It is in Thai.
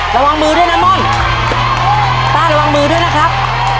ระวังมือด้วยนะม่อนป้าระวังมือด้วยนะครับ